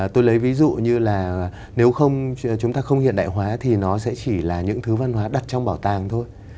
tôi lấy ví dụ như là nếu chúng ta không hiện đại hóa thì nó sẽ chỉ là những thứ văn hóa đặt trong bảo tàng thôi